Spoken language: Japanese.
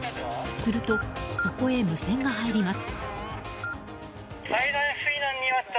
すると、そこへ無線が入ります。